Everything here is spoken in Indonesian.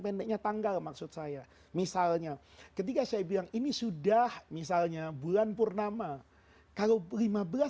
pendeknya tanggal maksud saya misalnya ketika saya bilang ini sudah misalnya bulan purnama kalau lima belas